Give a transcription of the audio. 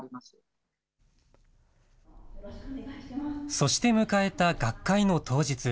そして迎えた学会の当日。